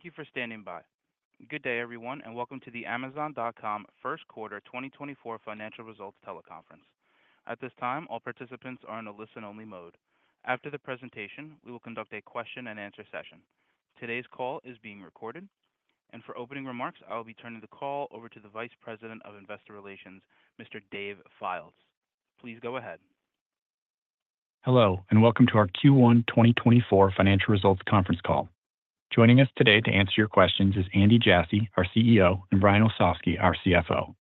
Thank you for standing by. Good day, everyone, and welcome to the Amazon.com first quarter 2024 financial results teleconference. At this time, all participants are in a listen-only mode. After the presentation, we will conduct a question-and-answer session. Today's call is being recorded, and for opening remarks, I will be turning the call over to the Vice President of Investor Relations, Mr. Dave Fildes. Please go ahead. Hello, and welcome to our Q1 2024 financial results conference call. Joining us today to answer your questions is Andy Jassy, our CEO, and Brian Olsavsky, our CFO.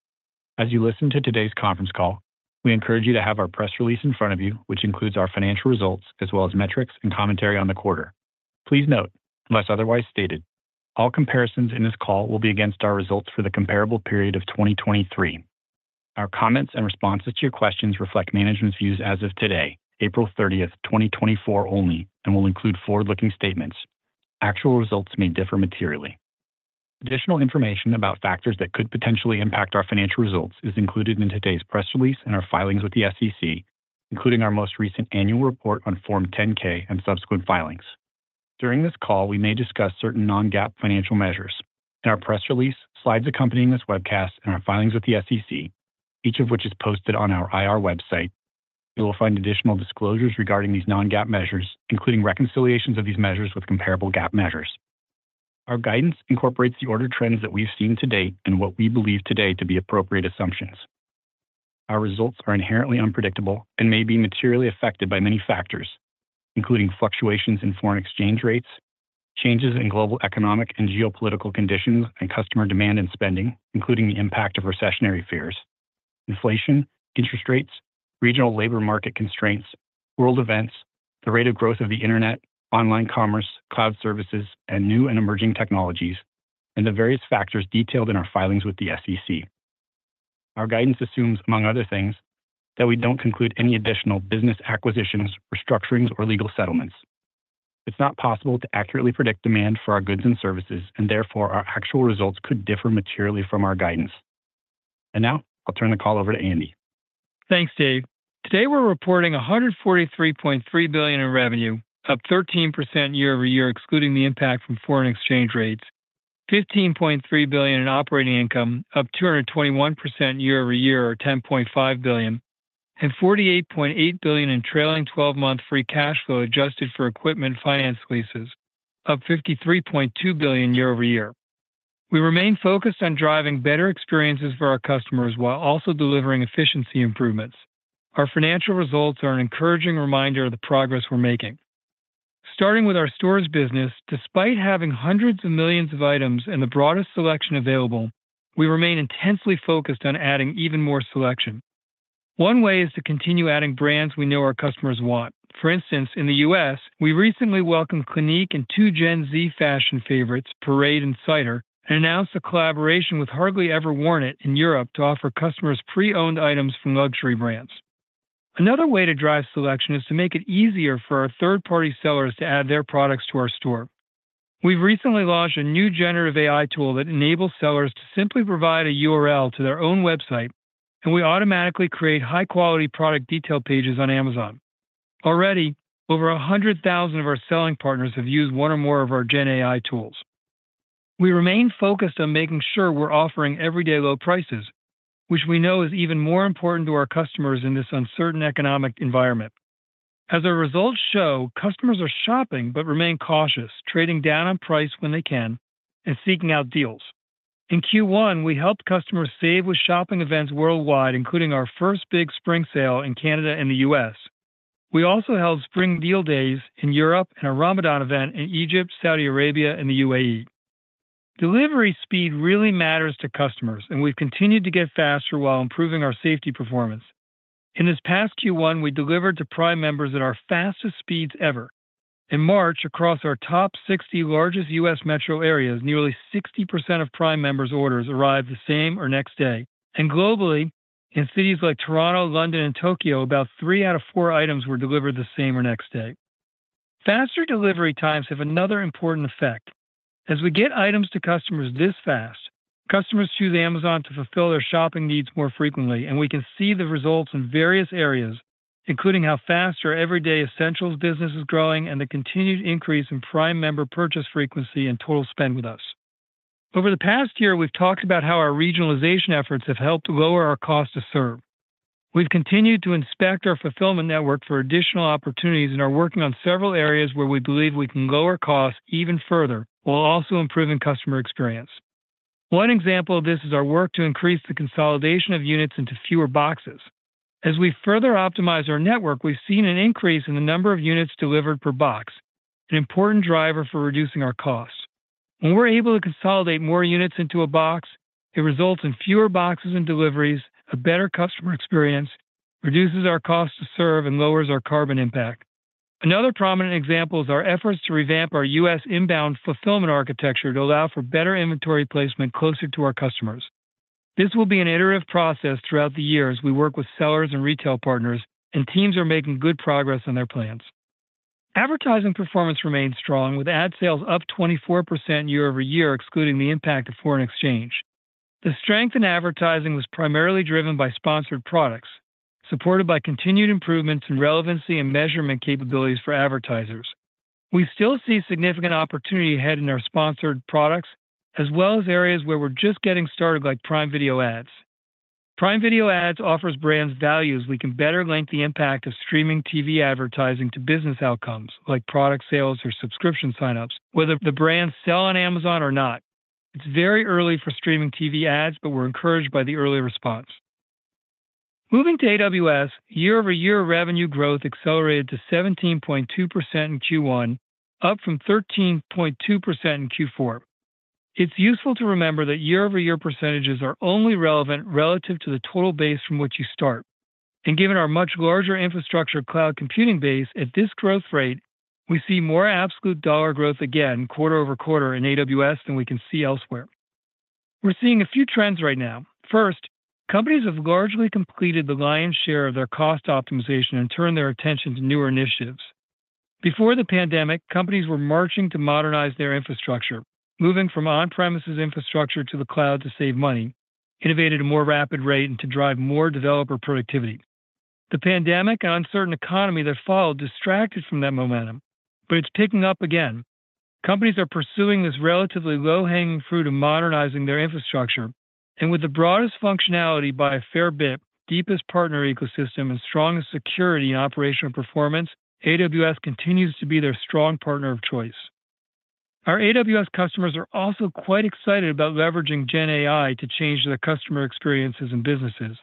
As you listen to today's conference call, we encourage you to have our press release in front of you, which includes our financial results, as well as metrics and commentary on the quarter. Please note, unless otherwise stated, all comparisons in this call will be against our results for the comparable period of 2023. Our comments and responses to your questions reflect management's views as of today, April 30, 2024, only, and will include forward-looking statements. Actual results may differ materially. Additional information about factors that could potentially impact our financial results is included in today's press release and our filings with the SEC, including our most recent annual report on Form 10-K and subsequent filings. During this call, we may discuss certain non-GAAP financial measures. In our press release, slides accompanying this webcast, and our filings with the SEC, each of which is posted on our IR website, you will find additional disclosures regarding these non-GAAP measures, including reconciliations of these measures with comparable GAAP measures. Our guidance incorporates the order trends that we've seen to date and what we believe today to be appropriate assumptions. Our results are inherently unpredictable and may be materially affected by many factors, including fluctuations in foreign exchange rates, changes in global economic and geopolitical conditions and customer demand and spending, including the impact of recessionary fears, inflation, interest rates, regional labor market constraints, world events, the rate of growth of the internet, online commerce, cloud services, and new and emerging technologies, and the various factors detailed in our filings with the SEC. Our guidance assumes, among other things, that we don't conclude any additional business acquisitions, restructurings, or legal settlements. It's not possible to accurately predict demand for our goods and services, and therefore, our actual results could differ materially from our guidance. Now, I'll turn the call over to Andy. Thanks, Dave. Today, we're reporting $143.3 billion in revenue, up 13% year-over-year, excluding the impact from foreign exchange rates. $15.3 billion in operating income, up 221% year-over-year, or $10.5 billion. And $48.8 billion in trailing twelve-month free cash flow adjusted for equipment finance leases, up $53.2 billion year-over-year. We remain focused on driving better experiences for our customers while also delivering efficiency improvements. Our financial results are an encouraging reminder of the progress we're making. Starting with our stores business, despite having hundreds of millions of items and the broadest selection available, we remain intensely focused on adding even more selection. One way is to continue adding brands we know our customers want. For instance, in the U.S., we recently welcomed Clinique and two Gen Z fashion favorites, Parade and Cider, and announced a collaboration with Hardly Ever Worn It in Europe to offer customers pre-owned items from luxury brands. Another way to drive selection is to make it easier for our third-party sellers to add their products to our store. We've recently launched a new generative AI tool that enables sellers to simply provide a URL to their own website, and we automatically create high-quality product detail pages on Amazon. Already, over 100,000 of our selling partners have used one or more of our Gen AI tools. We remain focused on making sure we're offering everyday low prices, which we know is even more important to our customers in this uncertain economic environment. As our results show, customers are shopping but remain cautious, trading down on price when they can and seeking out deals. In Q1, we helped customers save with shopping events worldwide, including our first Big Spring Sale in Canada and the U.S. We also held Spring Deal Days in Europe and a Ramadan event in Egypt, Saudi Arabia, and the UAE. Delivery speed really matters to customers, and we've continued to get faster while improving our safety performance. In this past Q1, we delivered to Prime members at our fastest speeds ever. In March, across our top 60 largest U.S. metro areas, nearly 60% of Prime members' orders arrived the same or next day. And globally, in cities like Toronto, London, and Tokyo, about 3 out of 4 items were delivered the same or next day. Faster delivery times have another important effect. As we get items to customers this fast, customers choose Amazon to fulfill their shopping needs more frequently, and we can see the results in various areas, including how fast our everyday essentials business is growing and the continued increase in Prime member purchase frequency and total spend with us. Over the past year, we've talked about how our regionalization efforts have helped lower our cost to serve. We've continued to inspect our fulfillment network for additional opportunities and are working on several areas where we believe we can lower costs even further, while also improving customer experience. One example of this is our work to increase the consolidation of units into fewer boxes. As we further optimize our network, we've seen an increase in the number of units delivered per box, an important driver for reducing our costs. When we're able to consolidate more units into a box, it results in fewer boxes and deliveries, a better customer experience, reduces our cost to serve, and lowers our carbon impact. Another prominent example is our efforts to revamp our U.S. inbound fulfillment architecture to allow for better inventory placement closer to our customers. This will be an iterative process throughout the year as we work with sellers and retail partners, and teams are making good progress on their plans. Advertising performance remains strong, with ad sales up 24% year-over-year, excluding the impact of foreign exchange. The strength in advertising was primarily driven by Sponsored Products, supported by continued improvements in relevancy and measurement capabilities for advertisers. We still see significant opportunity ahead in our Sponsored Products, as well as areas where we're just getting started, like Prime Video ads. Prime Video ads offers brands values we can better link the impact of streaming TV advertising to business outcomes, like product sales or subscription signups, whether the brands sell on Amazon or not. It's very early for streaming TV ads, but we're encouraged by the early response. Moving to AWS, year-over-year revenue growth accelerated to 17.2% in Q1, up from 13.2% in Q4. It's useful to remember that year-over-year percentages are only relevant relative to the total base from which you start. And given our much larger infrastructure cloud computing base, at this growth rate, we see more absolute dollar growth again, quarter-over-quarter in AWS than we can see elsewhere. We're seeing a few trends right now. First, companies have largely completed the lion's share of their cost optimization and turned their attention to newer initiatives. Before the pandemic, companies were marching to modernize their infrastructure, moving from on-premises infrastructure to the cloud to save money, innovate at a more rapid rate, and to drive more developer productivity. The pandemic and uncertain economy that followed distracted from that momentum, but it's picking up again. Companies are pursuing this relatively low-hanging fruit of modernizing their infrastructure, and with the broadest functionality by a fair bit, deepest partner ecosystem, and strongest security and operational performance, AWS continues to be their strong partner of choice. Our AWS customers are also quite excited about leveraging Gen AI to change their customer experiences and businesses.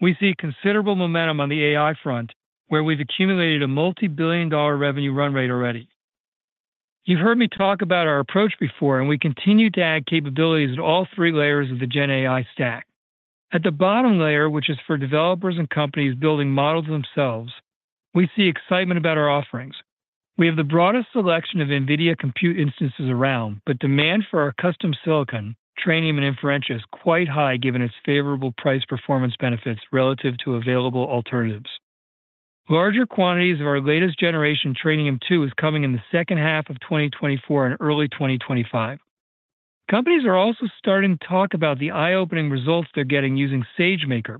We see considerable momentum on the AI front, where we've accumulated a multi-billion dollar revenue run rate already. You've heard me talk about our approach before, and we continue to add capabilities at all three layers of the Gen AI stack. At the bottom layer, which is for developers and companies building models themselves, we see excitement about our offerings. We have the broadest selection of NVIDIA compute instances around, but demand for our custom silicon, Trainium and Inferentia, is quite high, given its favorable price-performance benefits relative to available alternatives. Larger quantities of our latest generation Trainium2 is coming in the second half of 2024 and early 2025. Companies are also starting to talk about the eye-opening results they're getting using SageMaker.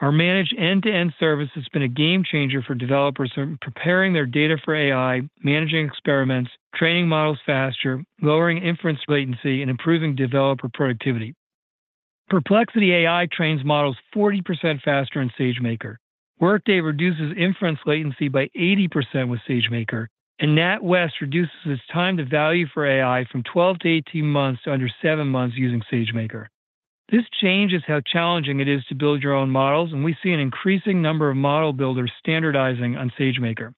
Our managed end-to-end service has been a game changer for developers who are preparing their data for AI, managing experiments, training models faster, lowering inference latency, and improving developer productivity. Perplexity AI trains models 40% faster in SageMaker. Workday reduces inference latency by 80% with SageMaker, and NatWest reduces its time to value for AI from 12-18 months to under 7 months using SageMaker. This changes how challenging it is to build your own models, and we see an increasing number of model builders standardizing on SageMaker.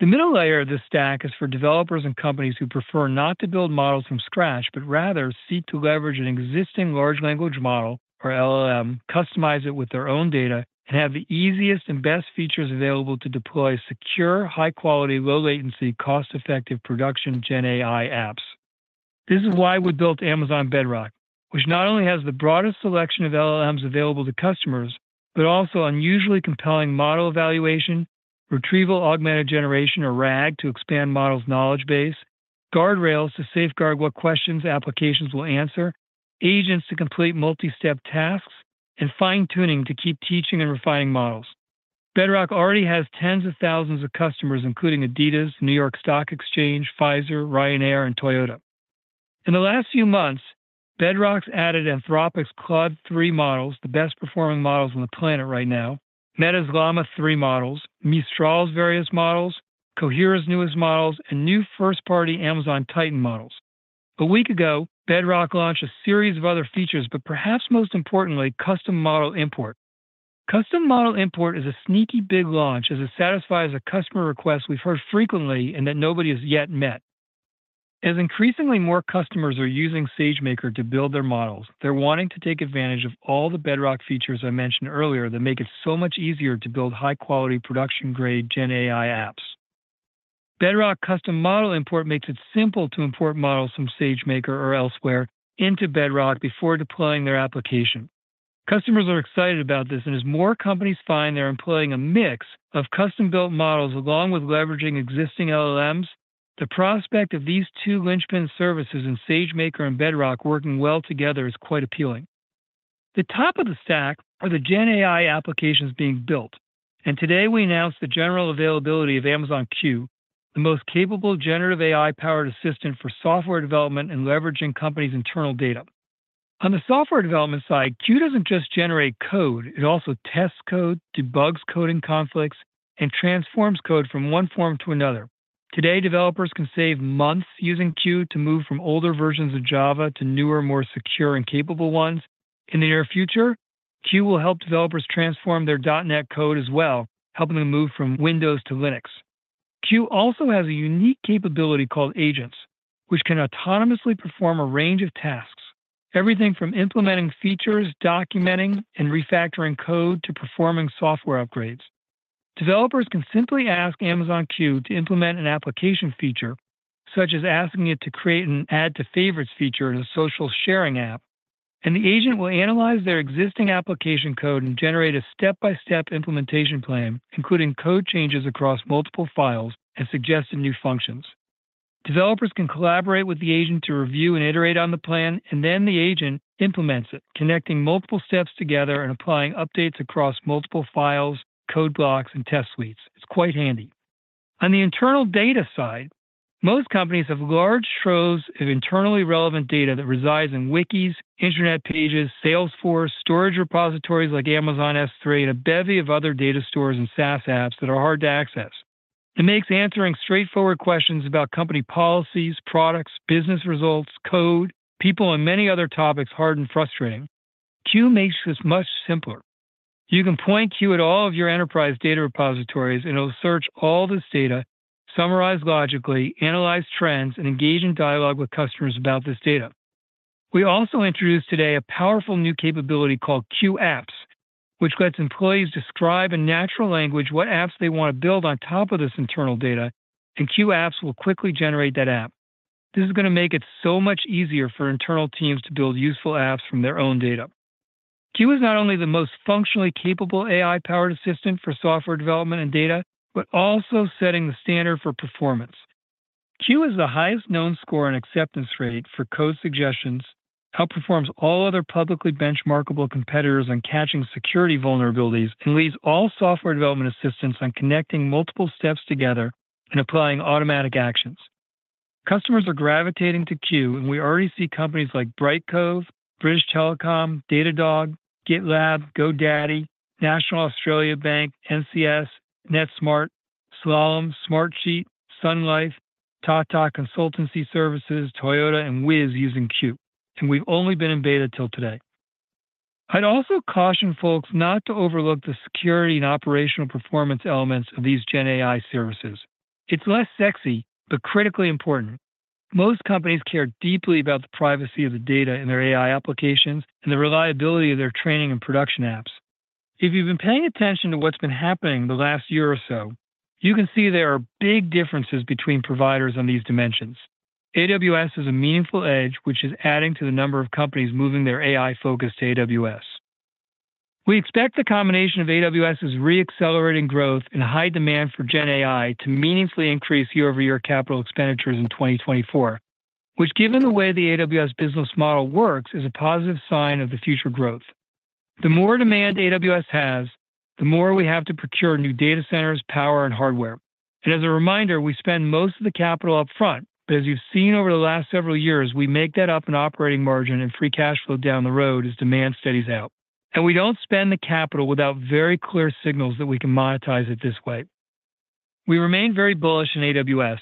The middle layer of this stack is for developers and companies who prefer not to build models from scratch, but rather seek to leverage an existing large language model or LLM, customize it with their own data, and have the easiest and best features available to deploy secure, high-quality, low-latency, cost-effective production Gen AI apps. This is why we built Amazon Bedrock, which not only has the broadest selection of LLMs available to customers, but also unusually compelling model evaluation, retrieval-augmented generation, or RAG, to expand model's knowledge base, guardrails to safeguard what questions applications will answer, agents to complete multi-step tasks, and fine-tuning to keep teaching and refining models. Bedrock already has tens of thousands of customers, including Adidas, New York Stock Exchange, Pfizer, Ryanair, and Toyota. In the last few months, Bedrock's added Anthropic's Claude 3 models, the best-performing models on the planet right now, Meta's Llama 3 models, Mistral's various models, Cohere's newest models, and new first-party Amazon Titan models. A week ago, Bedrock launched a series of other features, but perhaps most importantly, Custom Model Import. Custom Model Import is a sneaky big launch as it satisfies a customer request we've heard frequently and that nobody has yet met. As increasingly more customers are using SageMaker to build their models, they're wanting to take advantage of all the Bedrock features I mentioned earlier that make it so much easier to build high-quality, production-grade Gen AI apps. Bedrock Custom Model Import makes it simple to import models from SageMaker or elsewhere into Bedrock before deploying their application. Customers are excited about this, and as more companies find they're employing a mix of custom-built models along with leveraging existing LLMs, the prospect of these two linchpin services in SageMaker and Bedrock working well together is quite appealing. The top of the stack are the Gen AI applications being built, and today we announced the general availability of Amazon Q, the most capable generative AI-powered assistant for software development and leveraging companies' internal data. On the software development side, Q doesn't just generate code, it also tests code, debugs coding conflicts, and transforms code from one form to another. Today, developers can save months using Q to move from older versions of Java to newer, more secure and capable ones. In the near future, Q will help developers transform their .NET code as well, helping them move from Windows to Linux. Q also has a unique capability called Agents, which can autonomously perform a range of tasks, everything from implementing features, documenting, and refactoring code to performing software upgrades. Developers can simply ask Amazon Q to implement an application feature, such as asking it to create an Add to Favorites feature in a social sharing app, and the agent will analyze their existing application code and generate a step-by-step implementation plan, including code changes across multiple files and suggesting new functions. Developers can collaborate with the agent to review and iterate on the plan, and then the agent implements it, connecting multiple steps together and applying updates across multiple files, code blocks, and test suites. It's quite handy. On the internal data side, most companies have large troves of internally relevant data that resides in wikis, internet pages, Salesforce, storage repositories like Amazon S3, and a bevy of other data stores and SaaS apps that are hard to access. It makes answering straightforward questions about company policies, products, business results, code, people, and many other topics hard and frustrating. Q makes this much simpler. You can point Q at all of your enterprise data repositories, and it'll search all this data, summarize logically, analyze trends, and engage in dialogue with customers about this data. We also introduced today a powerful new capability called Q Apps, which lets employees describe in natural language what apps they want to build on top of this internal data, and Q Apps will quickly generate that app. This is going to make it so much easier for internal teams to build useful apps from their own data. Q is not only the most functionally capable AI-powered assistant for software development and data, but also setting the standard for performance. Q has the highest known score and acceptance rate for code suggestions, outperforms all other publicly benchmarkable competitors on catching security vulnerabilities, and leads all software development assistants on connecting multiple steps together and applying automatic actions. Customers are gravitating to Q, and we already see companies like Brightcove, British Telecom, Datadog, GitLab, GoDaddy, National Australia Bank, NCS, Netsmart, Slalom, Smartsheet, Sun Life, Tata Consultancy Services, Toyota, and Wiz using Q, and we've only been in beta till today. I'd also caution folks not to overlook the security and operational performance elements of these Gen AI services. It's less sexy, but critically important. Most companies care deeply about the privacy of the data in their AI applications and the reliability of their training and production apps. If you've been paying attention to what's been happening the last year or so, you can see there are big differences between providers on these dimensions. AWS is a meaningful edge, which is adding to the number of companies moving their AI focus to AWS. We expect the combination of AWS's re-accelerating growth and high demand for Gen AI to meaningfully increase year-over-year capital expenditures in 2024, which, given the way the AWS business model works, is a positive sign of the future growth. The more demand AWS has, the more we have to procure new data centers, power, and hardware. And as a reminder, we spend most of the capital up front, but as you've seen over the last several years, we make that up in operating margin and free cash flow down the road as demand steadies out. And we don't spend the capital without very clear signals that we can monetize it this way. We remain very bullish in AWS.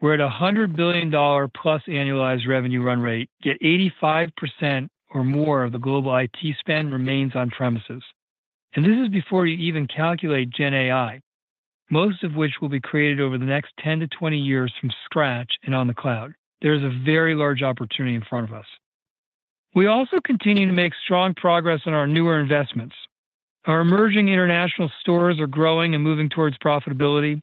We're at a $100 billion+ annualized revenue run rate, yet 85% or more of the global IT spend remains on premises. This is before you even calculate Gen AI, most of which will be created over the next 10-20 years from scratch and on the cloud. There is a very large opportunity in front of us. We also continue to make strong progress on our newer investments. Our emerging international stores are growing and moving towards profitability.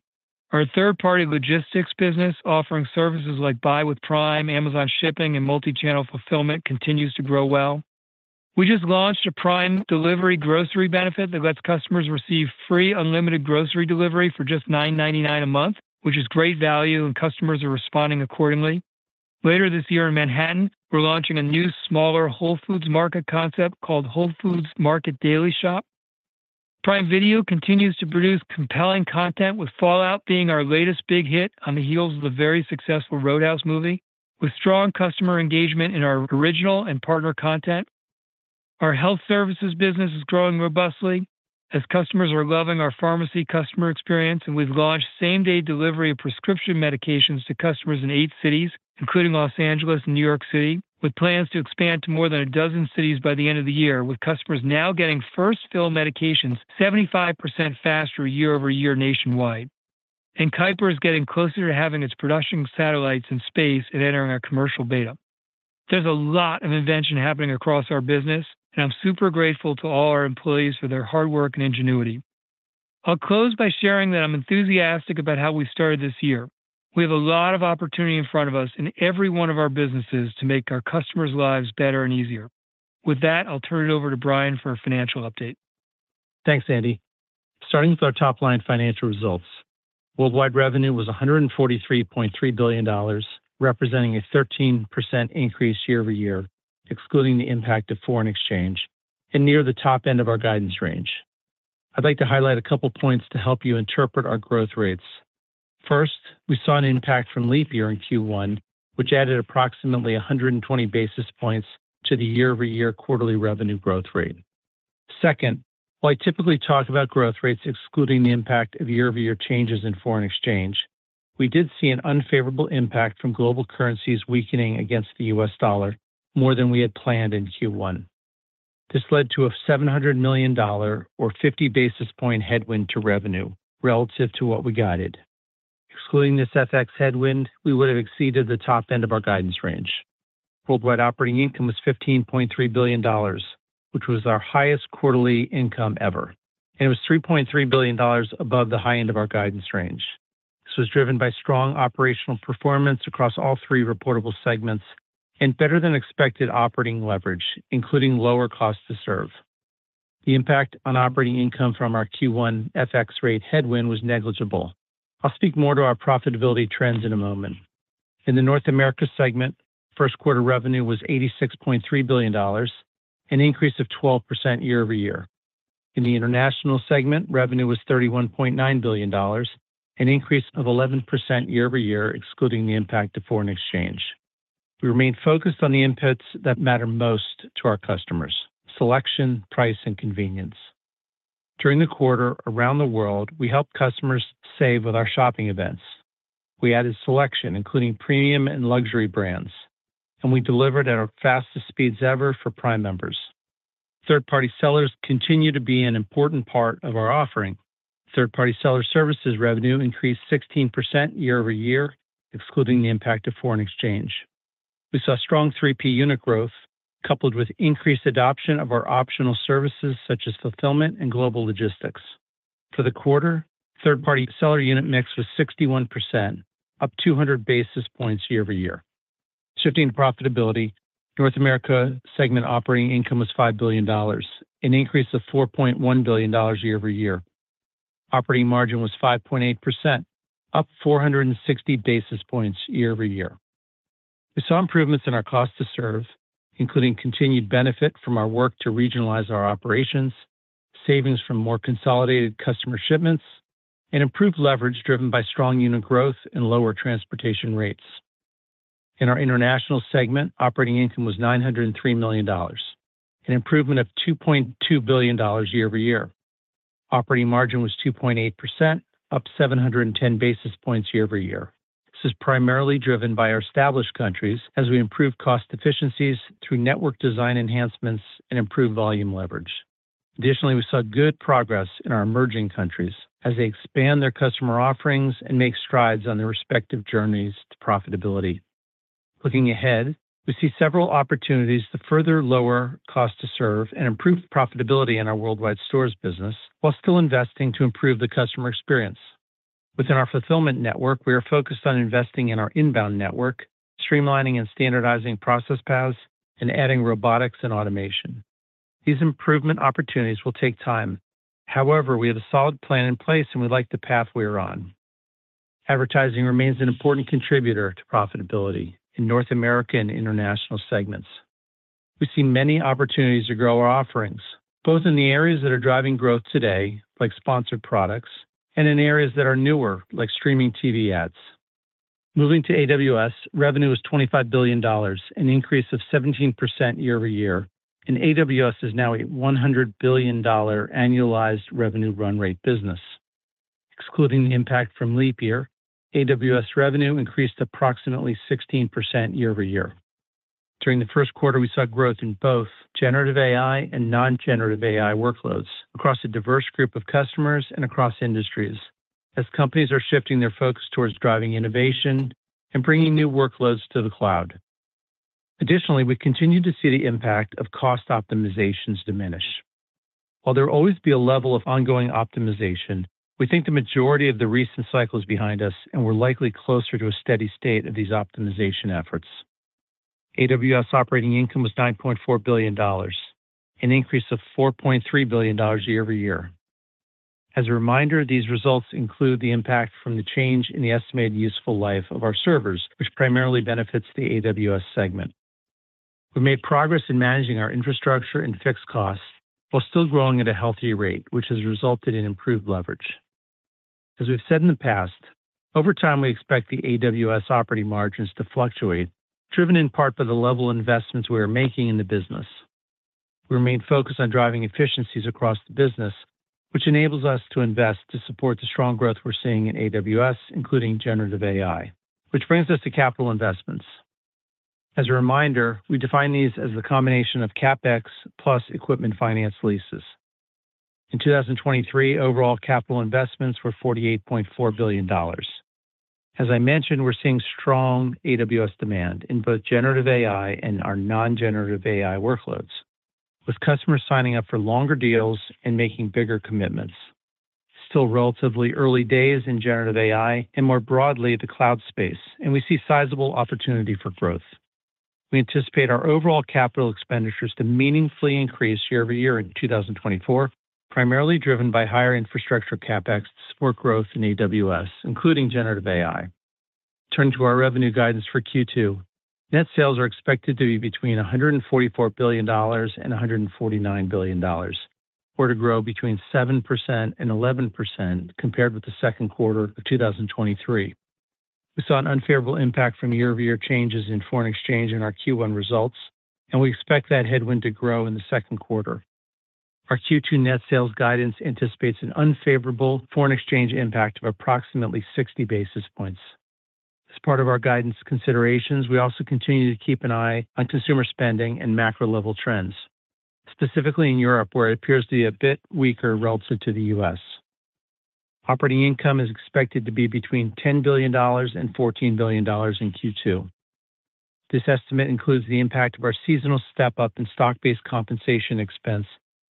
Our third-party logistics business, offering services like Buy with Prime, Amazon Shipping, and Multi-Channel Fulfillment, continues to grow well. We just launched a Prime delivery grocery benefit that lets customers receive free, unlimited grocery delivery for just $9.99 a month, which is great value, and customers are responding accordingly. Later this year in Manhattan, we're launching a new, smaller Whole Foods Market concept called Whole Foods Market Daily Shop. Prime Video continues to produce compelling content, with Fallout being our latest big hit on the heels of the very successful Road House movie, with strong customer engagement in our original and partner content. Our health services business is growing robustly as customers are loving our pharmacy customer experience, and we've launched same-day delivery of prescription medications to customers in eight cities, including Los Angeles and New York City, with plans to expand to more than a dozen cities by the end of the year, with customers now getting first-fill medications 75% faster year-over-year nationwide. Kuiper is getting closer to having its production satellites in space and entering our commercial beta. There's a lot of invention happening across our business, and I'm super grateful to all our employees for their hard work and ingenuity. I'll close by sharing that I'm enthusiastic about how we started this year. We have a lot of opportunity in front of us in every one of our businesses to make our customers' lives better and easier. With that, I'll turn it over to Brian for a financial update. Thanks, Andy. Starting with our top-line financial results. Worldwide revenue was $143.3 billion, representing a 13% increase year-over-year, excluding the impact of foreign exchange and near the top end of our guidance range. I'd like to highlight a couple of points to help you interpret our growth rates. First, we saw an impact from leap year in Q1, which added approximately 120 basis points to the year-over-year quarterly revenue growth rate. Second, while I typically talk about growth rates excluding the impact of year-over-year changes in foreign exchange, we did see an unfavorable impact from global currencies weakening against the U.S. dollar more than we had planned in Q1. This led to a $700 million or 50 basis points headwind to revenue relative to what we guided. Excluding this FX headwind, we would have exceeded the top end of our guidance range. Worldwide operating income was $15.3 billion, which was our highest quarterly income ever, and it was $3.3 billion above the high end of our guidance range. This was driven by strong operational performance across all three reportable segments and better-than-expected operating leverage, including lower cost to serve. The impact on operating income from our Q1 FX rate headwind was negligible. I'll speak more to our profitability trends in a moment. In the North America segment, first quarter revenue was $86.3 billion, an increase of 12% year-over-year. In the international segment, revenue was $31.9 billion, an increase of 11% year-over-year, excluding the impact of foreign exchange. We remain focused on the inputs that matter most to our customers: selection, price, and convenience. During the quarter, around the world, we helped customers save with our shopping events. We added selection, including premium and luxury brands, and we delivered at our fastest speeds ever for Prime members. Third-party sellers continue to be an important part of our offering. Third-party seller services revenue increased 16% year-over-year, excluding the impact of foreign exchange. We saw strong 3P unit growth, coupled with increased adoption of our optional services, such as fulfillment and global logistics. For the quarter, third-party seller unit mix was 61%, up 200 basis points year-over-year. Shifting to profitability, North America segment operating income was $5 billion, an increase of $4.1 billion year-over-year. Operating margin was 5.8%, up 460 basis points year-over-year. We saw improvements in our cost to serve, including continued benefit from our work to regionalize our operations, savings from more consolidated customer shipments, and improved leverage driven by strong unit growth and lower transportation rates. In our international segment, operating income was $903 million, an improvement of $2.2 billion year-over-year. Operating margin was 2.8%, up 710 basis points year-over-year. This is primarily driven by our established countries as we improve cost efficiencies through network design enhancements and improved volume leverage. Additionally, we saw good progress in our emerging countries as they expand their customer offerings and make strides on their respective journeys to profitability. Looking ahead, we see several opportunities to further lower cost to serve and improve profitability in our worldwide stores business, while still investing to improve the customer experience. Within our fulfillment network, we are focused on investing in our inbound network, streamlining and standardizing process paths, and adding robotics and automation. These improvement opportunities will take time. However, we have a solid plan in place, and we like the path we are on. Advertising remains an important contributor to profitability in North America and international segments. We see many opportunities to grow our offerings, both in the areas that are driving growth today, like Sponsored Products, and in areas that are newer, like streaming TV ads. Moving to AWS, revenue was $25 billion, an increase of 17% year-over-year, and AWS is now a $100 billion annualized revenue run rate business. Excluding the impact from leap year, AWS revenue increased approximately 16% year-over-year. During the first quarter, we saw growth in both generative AI and non-generative AI workloads across a diverse group of customers and across industries, as companies are shifting their focus towards driving innovation and bringing new workloads to the cloud. Additionally, we continue to see the impact of cost optimizations diminish. While there will always be a level of ongoing optimization, we think the majority of the recent cycle is behind us, and we're likely closer to a steady state of these optimization efforts. AWS operating income was $9.4 billion, an increase of $4.3 billion year-over-year. As a reminder, these results include the impact from the change in the estimated useful life of our servers, which primarily benefits the AWS segment. We made progress in managing our infrastructure and fixed costs while still growing at a healthy rate, which has resulted in improved leverage. As we've said in the past, over time, we expect the AWS operating margins to fluctuate, driven in part by the level of investments we are making in the business. We remain focused on driving efficiencies across the business, which enables us to invest to support the strong growth we're seeing in AWS, including generative AI. Which brings us to capital investments. As a reminder, we define these as the combination of CapEx plus equipment finance leases. In 2023, overall capital investments were $48.4 billion. As I mentioned, we're seeing strong AWS demand in both generative AI and our non-generative AI workloads, with customers signing up for longer deals and making bigger commitments. Still relatively early days in generative AI and more broadly, the cloud space, and we see sizable opportunity for growth. We anticipate our overall capital expenditures to meaningfully increase year-over-year in 2024, primarily driven by higher infrastructure CapEx to support growth in AWS, including generative AI. Turning to our revenue guidance for Q2, net sales are expected to be between $144 billion and $149 billion, or to grow between 7% and 11% compared with the second quarter of 2023. We saw an unfavorable impact from year-over-year changes in foreign exchange in our Q1 results, and we expect that headwind to grow in the second quarter. Our Q2 net sales guidance anticipates an unfavorable foreign exchange impact of approximately 60 basis points. As part of our guidance considerations, we also continue to keep an eye on consumer spending and macro-level trends, specifically in Europe, where it appears to be a bit weaker relative to the U.S.. Operating income is expected to be between $10 billion and $14 billion in Q2. This estimate includes the impact of our seasonal step-up in stock-based compensation expense,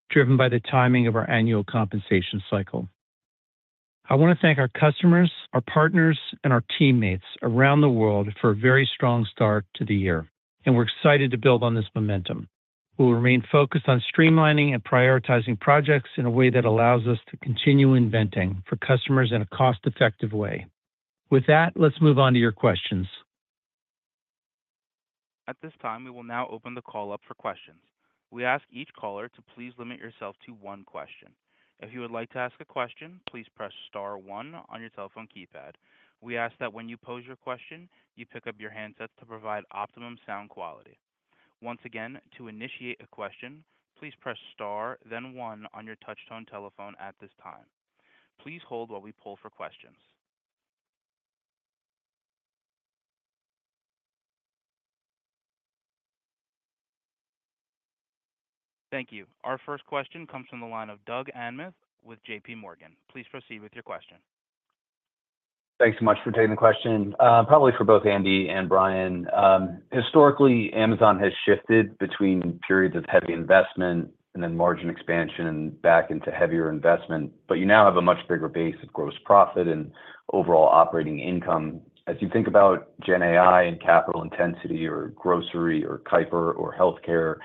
driven by the timing of our annual compensation cycle. I wanna thank our customers, our partners, and our teammates around the world for a very strong start to the year, and we're excited to build on this momentum. We'll remain focused on streamlining and prioritizing projects in a way that allows us to continue inventing for customers in a cost-effective way. With that, let's move on to your questions. At this time, we will now open the call up for questions. We ask each caller to please limit yourself to one question. If you would like to ask a question, please press star one on your telephone keypad. We ask that when you pose your question, you pick up your handsets to provide optimum sound quality. Once again, to initiate a question, please press star, then one on your touchtone telephone at this time. Please hold while we poll for questions. Thank you. Our first question comes from the line of Doug Anmuth with JPMorgan. Please proceed with your question. Thanks so much for taking the question. Probably for both Andy and Brian. Historically, Amazon has shifted between periods of heavy investment and then margin expansion and back into heavier investment, but you now have a much bigger base of gross profit and overall operating income. As you think about Gen AI and capital intensity or grocery or Kuiper or healthcare,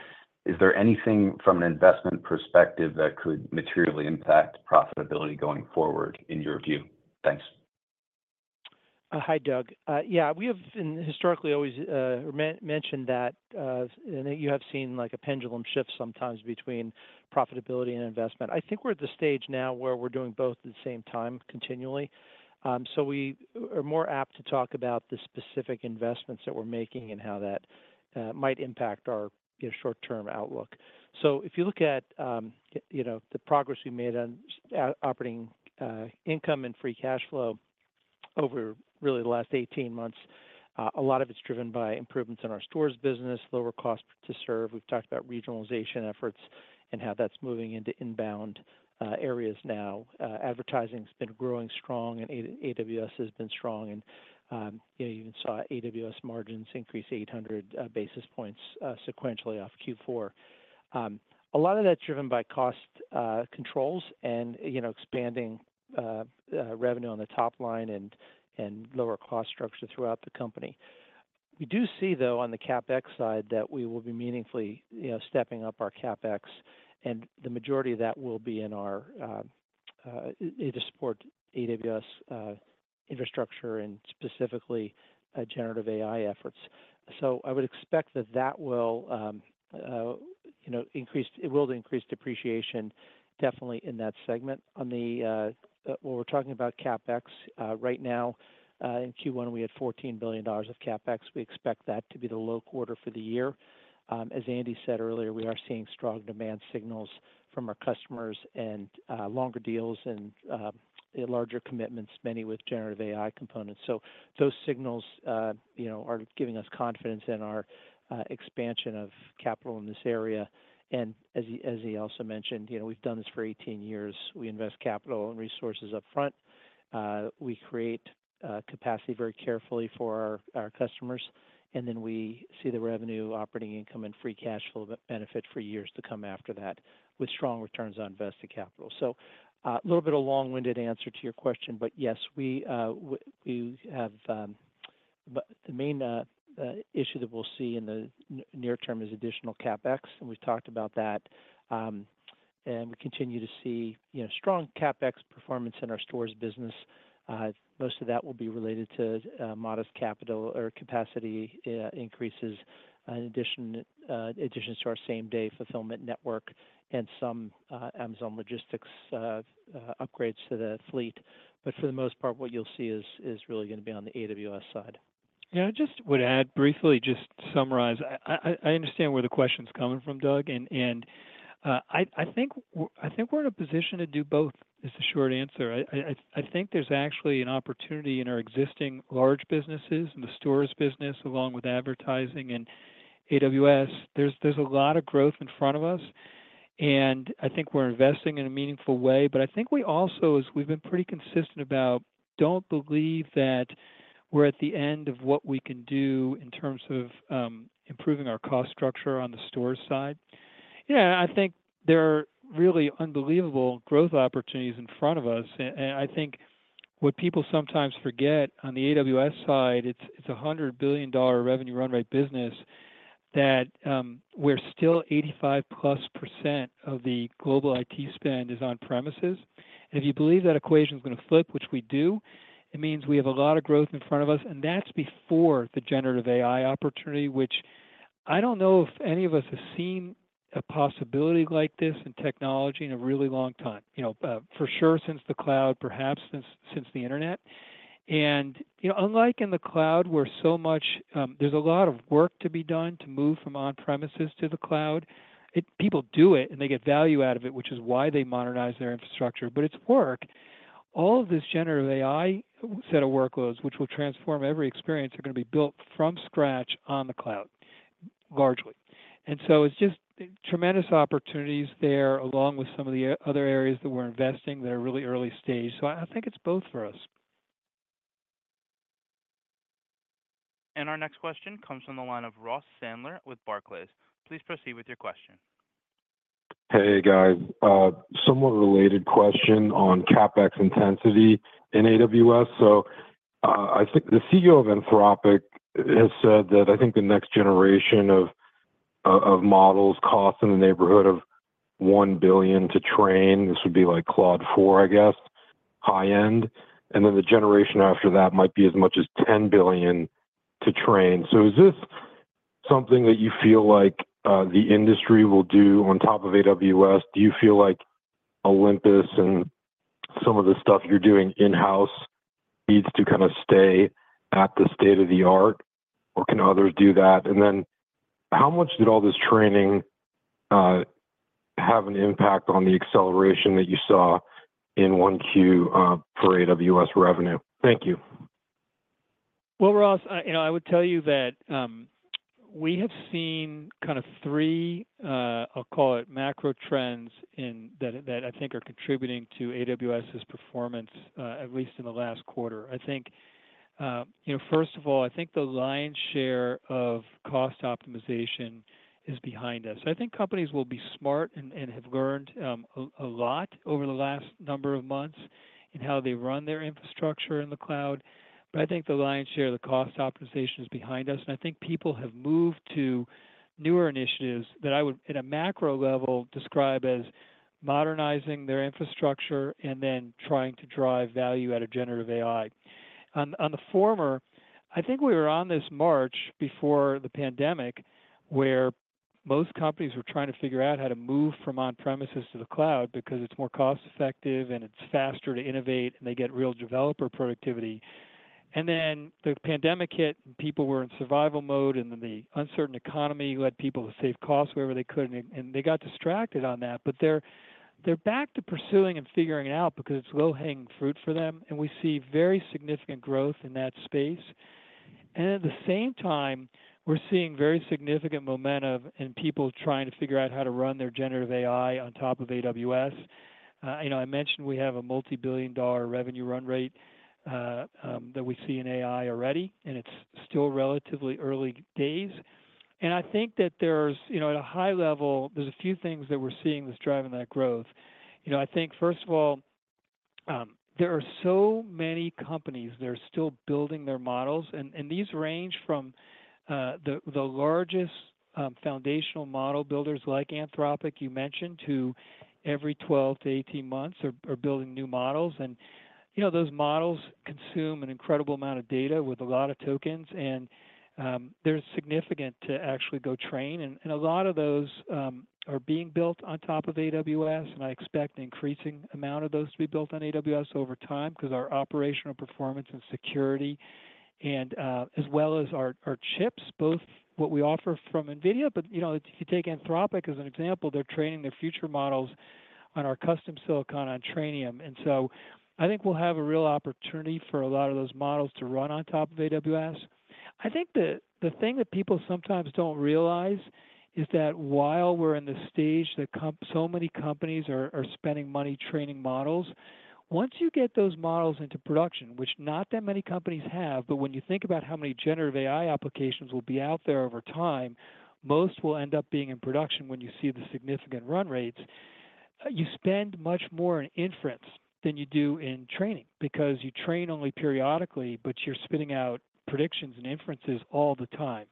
is there anything from an investment perspective that could materially impact profitability going forward, in your view? Thanks. Hi, Doug. Yeah, we have been historically always mentioned that, and you have seen, like, a pendulum shift sometimes between profitability and investment. I think we're at the stage now where we're doing both at the same time continually. So we are more apt to talk about the specific investments that we're making and how that might impact our, you know, short-term outlook. So if you look at, you know, the progress we made on operating income and free cash flow over really the last 18 months, a lot of it's driven by improvements in our stores business, lower cost to serve. We've talked about regionalization efforts and how that's moving into inbound areas now. Advertising's been growing strong, and AWS has been strong, and, you know, you even saw AWS margins increase 800 basis points sequentially off Q4. A lot of that's driven by cost controls and, you know, expanding revenue on the top line and and lower cost structure throughout the company. We do see, though, on the CapEx side, that we will be meaningfully, you know, stepping up our CapEx, and the majority of that will be in our to support AWS infrastructure and specifically generative AI efforts. So I would expect that will, you know, increase. It will increase depreciation definitely in that segment. On the, well, we're talking about CapEx. Right now, in Q1, we had $14 billion of CapEx. We expect that to be the low quarter for the year. As Andy said earlier, we are seeing strong demand signals from our customers and longer deals and larger commitments, many with generative AI components. So those signals, you know, are giving us confidence in our expansion of capital in this area. And as he also mentioned, you know, we've done this for 18 years. We invest capital and resources upfront. We create capacity very carefully for our customers, and then we see the revenue, operating income, and free cash flow benefit for years to come after that, with strong returns on invested capital. So, a little bit of a long-winded answer to your question, but yes, we have, but the main issue that we'll see in the near term is additional CapEx, and we've talked about that. And we continue to see, you know, strong CapEx performance in our stores business. Most of that will be related to modest capital or capacity increases, in addition to our same-day fulfillment network and some Amazon Logistics upgrades to the fleet. But for the most part, what you'll see is really gonna be on the AWS side. Yeah, I just would add briefly, just to summarize, I understand where the question's coming from, Doug, and I think we're in a position to do both, is the short answer. I think there's actually an opportunity in our existing large businesses, in the stores business, along with advertising and AWS. There's a lot of growth in front of us, and I think we're investing in a meaningful way. But I think we also, as we've been pretty consistent about, don't believe that we're at the end of what we can do in terms of improving our cost structure on the stores side. Yeah, I think there are really unbelievable growth opportunities in front of us, and I think what people sometimes forget on the AWS side, it's a $100 billion revenue run rate business, that we're still 85%+ of the global IT spend is on premises. And if you believe that equation is gonna flip, which we do, it means we have a lot of growth in front of us, and that's before the generative AI opportunity, which I don't know if any of us have seen a possibility like this in technology in a really long time. You know, for sure, since the cloud, perhaps since the Internet. You know, unlike in the cloud, where so much, there's a lot of work to be done to move from on-premises to the cloud, it, people do it, and they get value out of it, which is why they modernize their infrastructure, but it's work. All of this generative AI set of workloads, which will transform every experience, are gonna be built from scratch on the cloud, largely. And so it's just tremendous opportunities there, along with some of the other areas that we're investing that are really early stage. So I think it's both for us. And our next question comes from the line of Ross Sandler with Barclays. Please proceed with your question. Hey, guys. Somewhat related question on CapEx intensity in AWS. So, I think the CEO of Anthropic has said that I think the next generation of, of models cost in the neighborhood of $1 billion to train. This would be like Claude 4, I guess, high end, and then the generation after that might be as much as $10 billion to train. So is this something that you feel like, the industry will do on top of AWS? Do you feel like Olympus and some of the stuff you're doing in-house needs to kind of stay at the state-of-the-art, or can others do that? And then how much did all this training, have an impact on the acceleration that you saw in 1Q, for AWS revenue? Thank you. Well, Ross, you know, I would tell you that we have seen kind of three macro trends that I think are contributing to AWS's performance, at least in the last quarter. I think, you know, first of all, I think the lion's share of cost optimization is behind us. I think companies will be smart and have learned a lot over the last number of months in how they run their infrastructure in the cloud. But I think the lion's share of the cost optimization is behind us, and I think people have moved to newer initiatives that I would, at a macro level, describe as modernizing their infrastructure and then trying to drive value out of generative AI. On the former, I think we were on this march before the pandemic, where most companies were trying to figure out how to move from on-premises to the cloud because it's more cost-effective and it's faster to innovate, and they get real developer productivity. Then the pandemic hit, and people were in survival mode, and then the uncertain economy led people to save costs wherever they could, and they got distracted on that. But they're back to pursuing and figuring it out because it's low-hanging fruit for them, and we see very significant growth in that space. At the same time, we're seeing very significant momentum and people trying to figure out how to run their generative AI on top of AWS. You know, I mentioned we have a multi-billion-dollar revenue run rate that we see in AI already, and it's still relatively early days. I think that there's, you know, at a high level, there's a few things that we're seeing that's driving that growth. You know, I think, first of all, there are so many companies that are still building their models, and these range from the largest foundational model builders like Anthropic, you mentioned, to every 12-18 months are building new models. You know, those models consume an incredible amount of data with a lot of tokens, and they're significant to actually go train. And a lot of those are being built on top of AWS, and I expect an increasing amount of those to be built on AWS over time because our operational performance and security and as well as our chips, both what we offer from NVIDIA. But you know, if you take Anthropic as an example, they're training their future models on our custom silicon on Trainium. And so I think we'll have a real opportunity for a lot of those models to run on top of AWS. I think the thing that people sometimes don't realize is that while we're in the stage that so many companies are spending money training models, once you get those models into production, which not that many companies have, but when you think about how many generative AI applications will be out there over time, most will end up being in production when you see the significant run rates. You spend much more in inference than you do in training, because you train only periodically, but you're spitting out predictions and inferences all the time.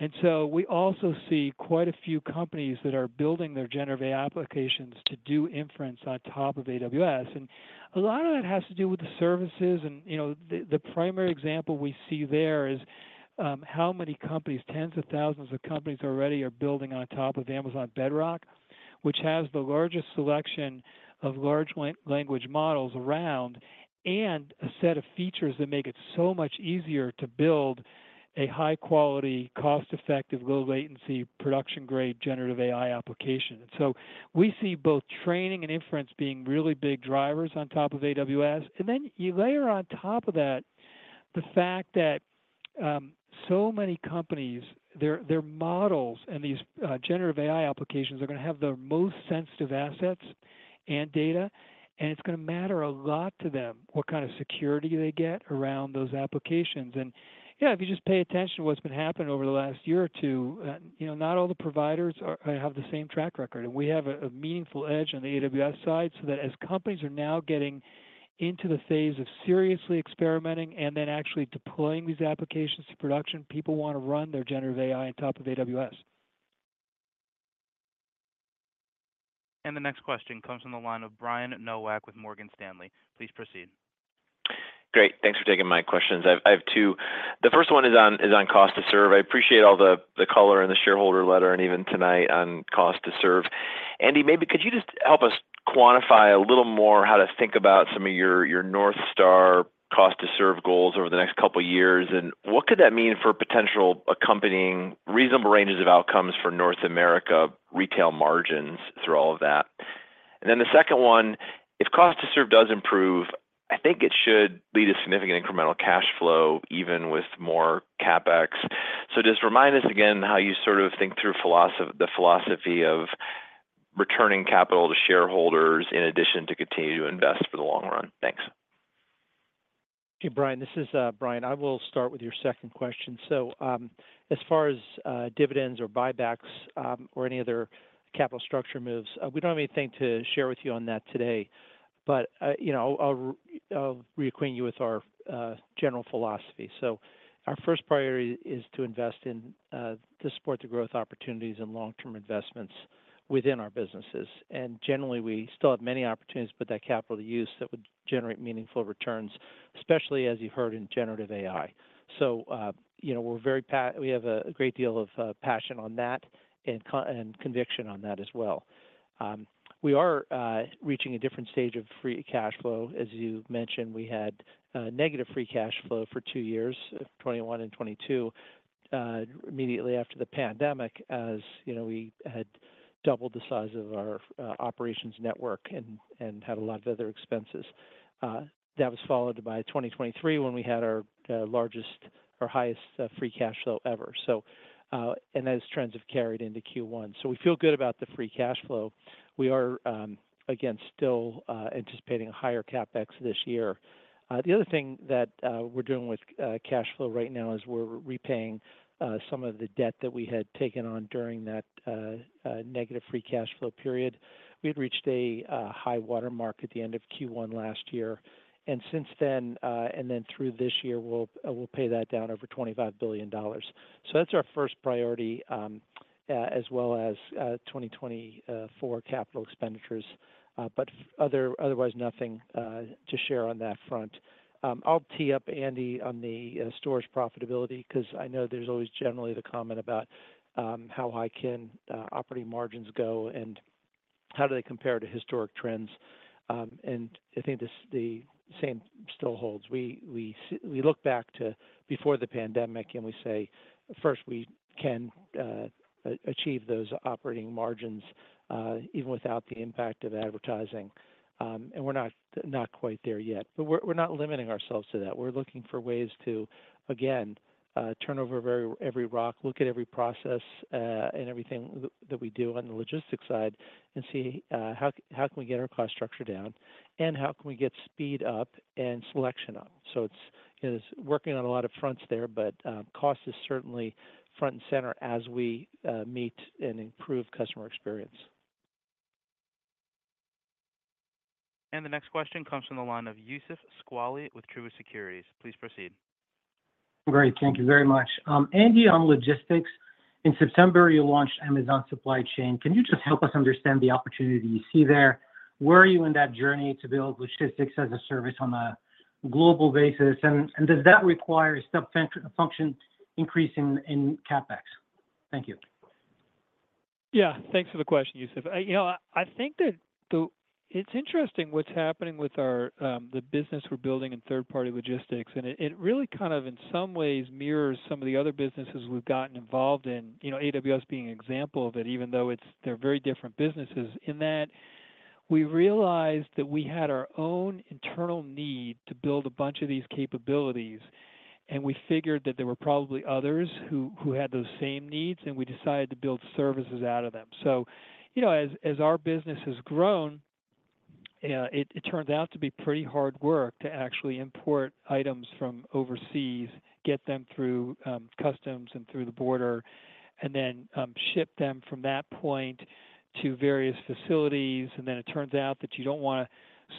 And so we also see quite a few companies that are building their generative AI applications to do inference on top of AWS. A lot of that has to do with the services and, you know, the primary example we see there is how many companies, tens of thousands of companies already are building on top of Amazon Bedrock, which has the largest selection of large language models around, and a set of features that make it so much easier to build a high-quality, cost-effective, low-latency, production-grade generative AI application. So we see both training and inference being really big drivers on top of AWS. And then you layer on top of that the fact that so many companies, their models and these generative AI applications are gonna have the most sensitive assets and data, and it's gonna matter a lot to them, what kind of security they get around those applications. Yeah, if you just pay attention to what's been happening over the last year or two, you know, not all the providers have the same track record. We have a meaningful edge on the AWS side, so that as companies are now getting into the phase of seriously experimenting and then actually deploying these applications to production, people want to run their generative AI on top of AWS. The next question comes from the line of Brian Nowak with Morgan Stanley. Please proceed. Great. Thanks for taking my questions. I have two. The first one is on cost to serve. I appreciate all the color and the shareholder letter and even tonight on cost to serve. Andy, maybe could you just help us quantify a little more how to think about some of your North Star cost to serve goals over the next couple of years, and what could that mean for potential accompanying reasonable ranges of outcomes for North America retail margins through all of that? And then the second one, if cost to serve does improve, I think it should lead to significant incremental cash flow, even with more CapEx. So just remind us again how you sort of think through the philosophy of returning capital to shareholders in addition to continuing to invest for the long run? Thanks. Hey, Brian, this is Brian. I will start with your second question. So, as far as dividends or buybacks, or any other capital structure moves, we don't have anything to share with you on that today. But, you know, I'll reacquaint you with our general philosophy. So our first priority is to invest in to support the growth opportunities and long-term investments within our businesses. And generally, we still have many opportunities to put that capital to use that would generate meaningful returns, especially as you've heard in Generative AI. So, you know, we have a great deal of passion on that and conviction on that as well. We are reaching a different stage of Free Cash Flow. As you mentioned, we had negative free cash flow for two years, 2021 and 2022, immediately after the pandemic. As you know, we had doubled the size of our operations network and had a lot of other expenses. That was followed by 2023, when we had our largest or highest free cash flow ever. So, and those trends have carried into Q1. So we feel good about the free cash flow. We are again still anticipating a higher CapEx this year. The other thing that we're doing with cash flow right now is we're repaying some of the debt that we had taken on during that negative free cash flow period. We had reached a high water mark at the end of Q1 last year, and since then, and then through this year, we'll pay that down over $25 billion. So that's our first priority, as well as 2024 capital expenditures, but otherwise, nothing to share on that front. I'll tee up Andy on the stores profitability, 'cause I know there's always generally the comment about how high can operating margins go, and how do they compare to historic trends? And I think the same still holds. We look back to before the pandemic, and we say, first, we can achieve those operating margins even without the impact of advertising. And we're not quite there yet. But we're not limiting ourselves to that. We're looking for ways to, again, turn over every rock, look at every process, and everything that we do on the logistics side and see how can we get our cost structure down, and how can we get speed up and selection up. So it's working on a lot of fronts there, but cost is certainly front and center as we meet and improve customer experience. The next question comes from the line of Youssef Squali with Truist Securities. Please proceed. Great. Thank you very much. Andy, on logistics, in September, you launched Amazon Supply Chain. Can you just help us understand the opportunity you see there? Where are you in that journey to build logistics as a service on a global basis, and does that require substantial function increase in CapEx? Thank you. Yeah. Thanks for the question, Youssef. You know, I think that it's interesting what's happening with our the business we're building in third-party logistics, and it really kind of, in some ways, mirrors some of the other businesses we've gotten involved in. You know, AWS being an example of it, even though they're very different businesses, in that we realized that we had our own internal need to build a bunch of these capabilities, and we figured that there were probably others who had those same needs, and we decided to build services out of them. So, you know, as our business has grown, it turns out to be pretty hard work to actually import items from overseas, get them through customs and through the border, and then ship them from that point to various facilities. It turns out that you don't wanna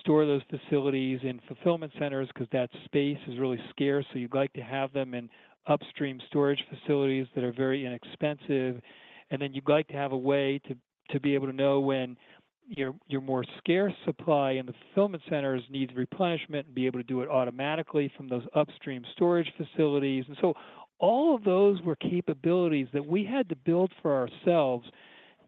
store those facilities in fulfillment centers, 'cause that space is really scarce, so you'd like to have them in upstream storage facilities that are very inexpensive. You'd like to have a way to be able to know when your more scarce supply in the fulfillment centers needs replenishment and be able to do it automatically from those upstream storage facilities. All of those were capabilities that we had to build for ourselves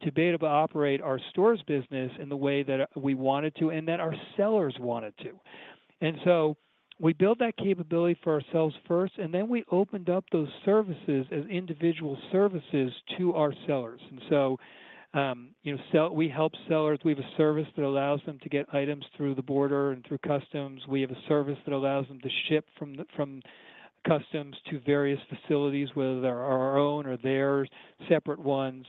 to be able to operate our stores business in the way that we wanted to and that our sellers wanted to. We built that capability for ourselves first, and then we opened up those services as individual services to our sellers. You know, we help sellers. We have a service that allows them to get items through the border and through customs. We have a service that allows them to ship from customs to various facilities, whether they're our own or theirs, separate ones.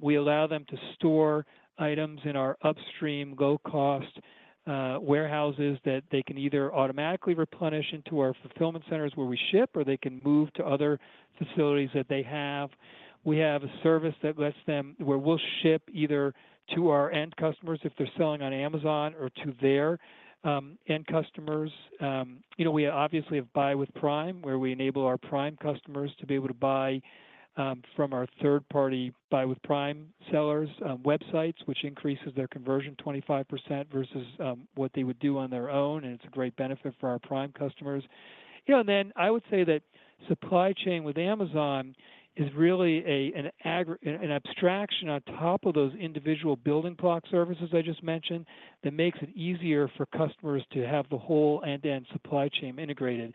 We allow them to store items in our upstream, low-cost, warehouses that they can either automatically replenish into our fulfillment centers where we ship, or they can move to other facilities that they have. We have a service that lets them, where we'll ship either to our end customers if they're selling on Amazon or to their end customers. You know, we obviously have Buy with Prime, where we enable our Prime customers to be able to buy from our third-party Buy with Prime sellers' websites, which increases their conversion 25% versus what they would do on their own, and it's a great benefit for our Prime customers. You know, and then I would say that supply chain with Amazon is really an abstraction on top of those individual building block services I just mentioned, that makes it easier for customers to have the whole end-to-end supply chain integrated.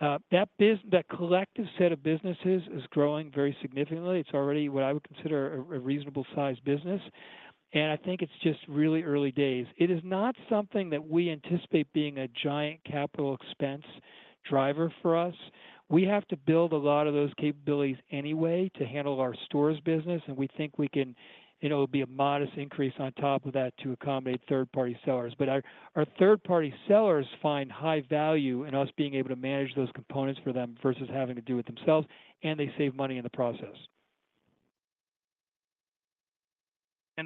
That collective set of businesses is growing very significantly. It's already what I would consider a reasonable sized business. And I think it's just really early days. It is not something that we anticipate being a giant capital expense driver for us. We have to build a lot of those capabilities anyway to handle our stores business, and we think we can, it'll be a modest increase on top of that to accommodate third-party sellers. But our, our third-party sellers find high value in us being able to manage those components for them versus having to do it themselves, and they save money in the process.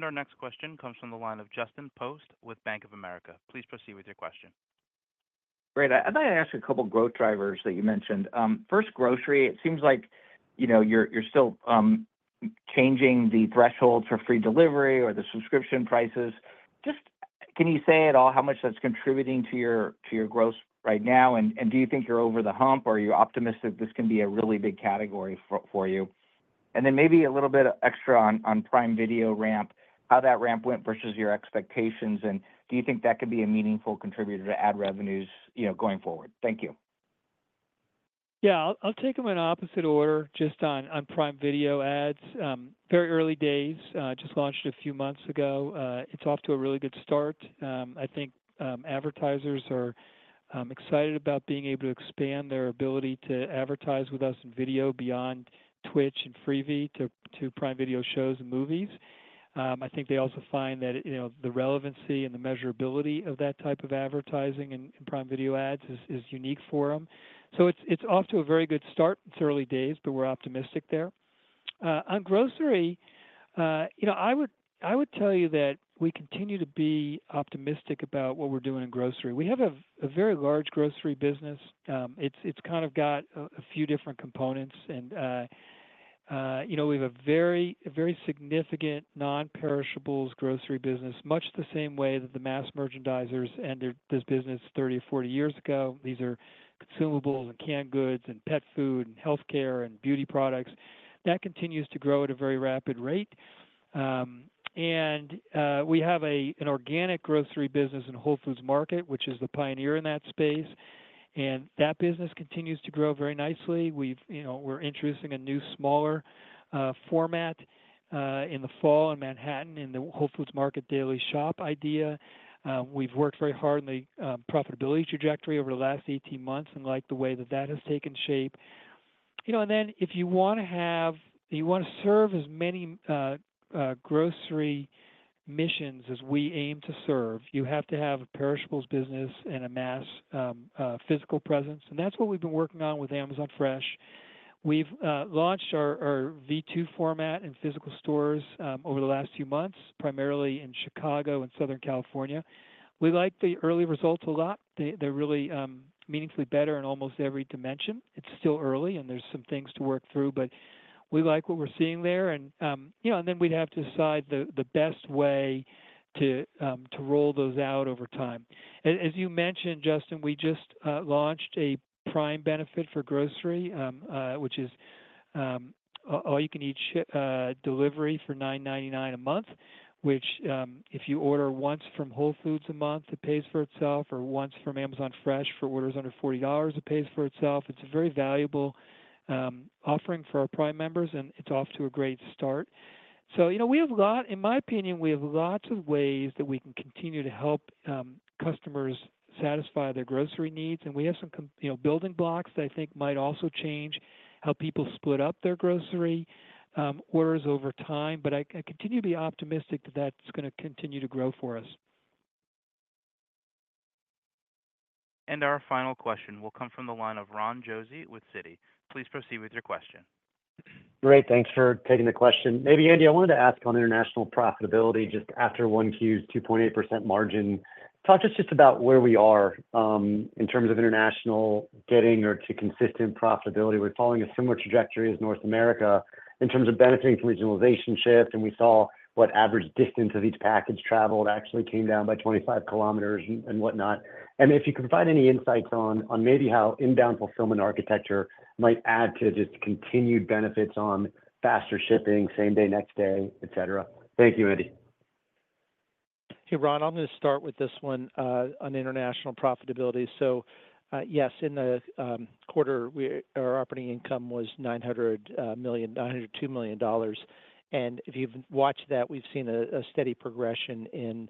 Our next question comes from the line of Justin Post with Bank of America. Please proceed with your question. Great. I thought I'd ask you a couple growth drivers that you mentioned. First, grocery, it seems like, you know, you're still changing the threshold for free delivery or the subscription prices. Just can you say at all how much that's contributing to your growth right now? And, and do you think you're over the hump, or are you optimistic this can be a really big category for, for you? And then maybe a little bit extra on, on Prime Video ramp, how that ramp went versus your expectations, and do you think that could be a meaningful contributor to ad revenues, you know, going forward? Thank you. Yeah, I'll take them in opposite order, just on Prime Video ads. Very early days, just launched a few months ago, it's off to a really good start. I think advertisers are excited about being able to expand their ability to advertise with us in video beyond Twitch and Freevee to Prime Video shows and movies. I think they also find that, you know, the relevancy and the measurability of that type of advertising in Prime Video ads is unique for them. So it's off to a very good start. It's early days, but we're optimistic there. On grocery, you know, I would tell you that we continue to be optimistic about what we're doing in grocery. We have a very large grocery business, it's kind of got a few different components, and you know, we have a very, very significant non-perishables grocery business, much the same way that the mass merchandisers entered this business 30 or 40 years ago. These are consumables, and canned goods, and pet food, and healthcare, and beauty products. That continues to grow at a very rapid rate. And we have an organic grocery business in Whole Foods Market, which is the pioneer in that space, and that business continues to grow very nicely. You know, we're introducing a new, smaller format in the fall in Manhattan, in the Whole Foods Market Daily Shop idea. We've worked very hard on the profitability trajectory over the last 18 months, and like the way that that has taken shape. You know, and then if you want to serve as many grocery missions as we aim to serve, you have to have a perishables business and a mass physical presence, and that's what we've been working on with Amazon Fresh. We've launched our V2 format in physical stores over the last few months, primarily in Chicago and Southern California. We like the early results a lot. They're really meaningfully better in almost every dimension. It's still early, and there's some things to work through, but we like what we're seeing there. And you know, and then we'd have to decide the best way to roll those out over time. As you mentioned, Justin, we just launched a Prime benefit for grocery, which is all you can eat delivery for $9.99 a month, which if you order once from Whole Foods a month, it pays for itself, or once from Amazon Fresh for orders under $40, it pays for itself. It's a very valuable offering for our Prime members, and it's off to a great start. You know, we have a lot. In my opinion, we have lots of ways that we can continue to help customers satisfy their grocery needs, and we have some you know, building blocks that I think might also change how people split up their grocery orders over time. But I continue to be optimistic that that's gonna continue to grow for us. Our final question will come from the line of Ron Josey with Citi. Please proceed with your question. Great, thanks for taking the question. Maybe, Andy, I wanted to ask on international profitability, just after 1Q's 2.8% margin. Talk to us just about where we are in terms of international getting to consistent profitability. We're following a similar trajectory as North America in terms of benefiting from regionalization shift, and we saw the average distance of each package traveled actually came down by 25 km and whatnot. And if you could provide any insights on maybe how inbound fulfillment architecture might add to just continued benefits on faster shipping, same day, next day, et cetera. Thank you, Andy. Hey, Ron, I'm going to start with this one, on international profitability. So, yes, in the quarter, our operating income was $902 million. And if you've watched that, we've seen a steady progression in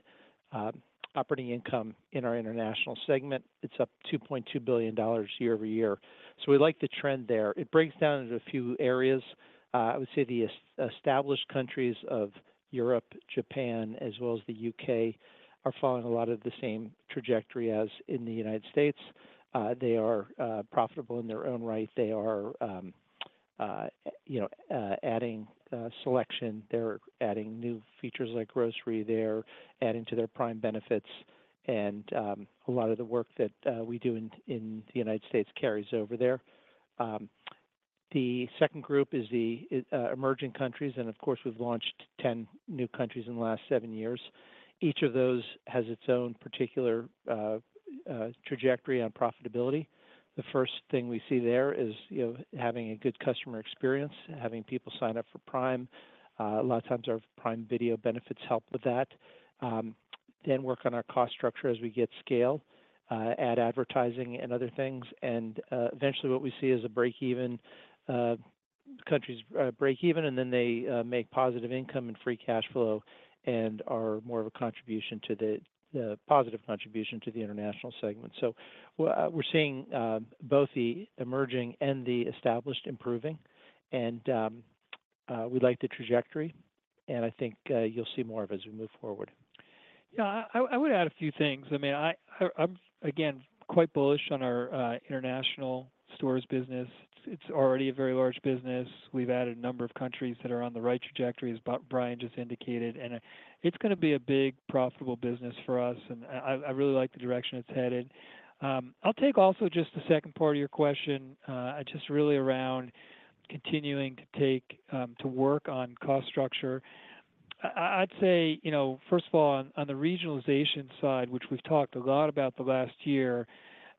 operating income in our international segment. It's up $2.2 billion year-over-year. So we like the trend there. It breaks down into a few areas. I would say the established countries of Europe, Japan, as well as the U.K., are following a lot of the same trajectory as in the United States. They are profitable in their own right. They are, you know, adding selection, they're adding new features like grocery, they're adding to their Prime benefits, and a lot of the work that we do in the United States carries over there. The second group is the emerging countries, and of course, we've launched 10 new countries in the last 7 years. Each of those has its own particular trajectory on profitability. The first thing we see there is, you know, having a good customer experience, having people sign up for Prime. A lot of times our Prime Video benefits help with that. Then work on our cost structure as we get scale, add advertising and other things. And eventually what we see is a break-even countries, break even, and then they make positive income and free cash flow and are more of a contribution to a positive contribution to the international segment. So we're seeing both the emerging and the established improving, and we like the trajectory, and I think you'll see more of as we move forward. Yeah, I would add a few things. I mean, I'm, again, quite bullish on our international stores business. It's already a very large business. We've added a number of countries that are on the right trajectory, as Brian just indicated, and it's gonna be a big, profitable business for us, and I really like the direction it's headed. I'll take also just the second part of your question, just really around continuing to take to work on cost structure. I'd say, you know, first of all, on the regionalization side, which we've talked a lot about the last year,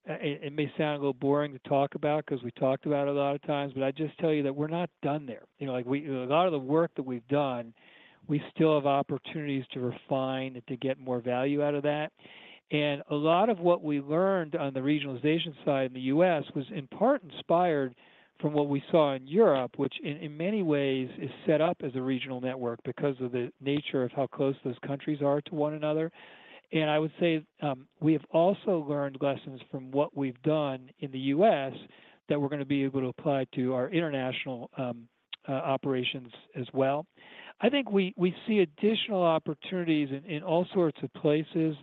it may sound a little boring to talk about because we talked about it a lot of times, but I'd just tell you that we're not done there. You know, like, a lot of the work that we've done, we still have opportunities to refine and to get more value out of that. And a lot of what we learned on the regionalization side in the U.S. was in part inspired from what we saw in Europe, which, in many ways, is set up as a regional network because of the nature of how close those countries are to one another. And I would say, we have also learned lessons from what we've done in the U.S. that we're gonna be able to apply to our international, operations as well. I think we see additional opportunities in all sorts of places.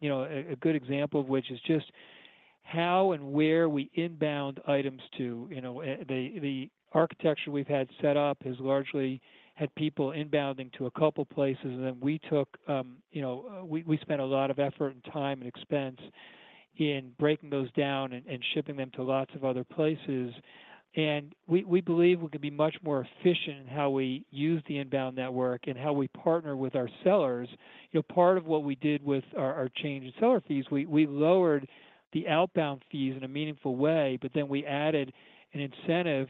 You know, a good example of which is just how and where we inbound items to. You know, the architecture we've had set up has largely had people inbounding to a couple places, and then we took, you know, we spent a lot of effort and time and expense in breaking those down and shipping them to lots of other places. And we believe we can be much more efficient in how we use the inbound network and how we partner with our sellers. You know, part of what we did with our change in seller fees, we lowered the outbound fees in a meaningful way, but then we added an incentive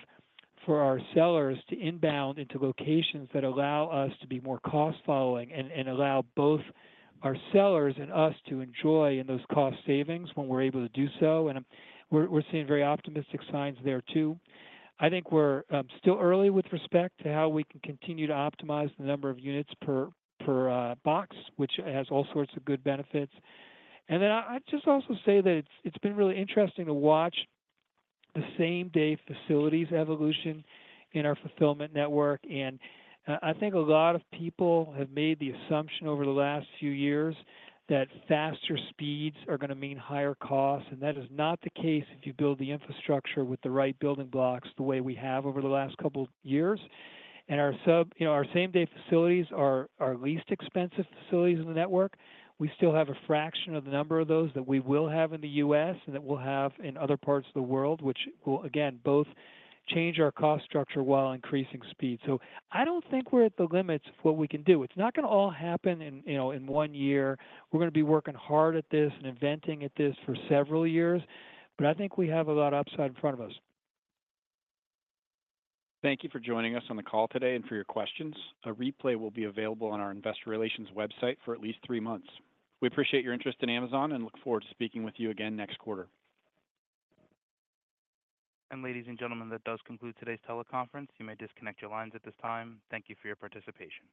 for our sellers to inbound into locations that allow us to be more cost following and allow both our sellers and us to enjoy in those cost savings when we're able to do so. And we're seeing very optimistic signs there, too. I think we're still early with respect to how we can continue to optimize the number of units per box, which has all sorts of good benefits. And then I'd just also say that it's been really interesting to watch the same-day facilities evolution in our fulfillment network. And I think a lot of people have made the assumption over the last few years that faster speeds are gonna mean higher costs, and that is not the case if you build the infrastructure with the right building blocks, the way we have over the last couple of years. You know, our same-day facilities are our least expensive facilities in the network. We still have a fraction of the number of those that we will have in the U.S. and that we'll have in other parts of the world, which will, again, both change our cost structure while increasing speed. So I don't think we're at the limits of what we can do. It's not gonna all happen in, you know, in one year. We're gonna be working hard at this and inventing at this for several years, but I think we have a lot of upside in front of us. Thank you for joining us on the call today and for your questions. A replay will be available on our investor relations website for at least three months. We appreciate your interest in Amazon and look forward to speaking with you again next quarter. Ladies and gentlemen, that does conclude today's teleconference. You may disconnect your lines at this time. Thank you for your participation.